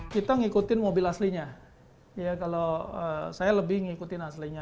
kita ngikutin mobil aslinya ya kalau saya lebih ngikutin aslinya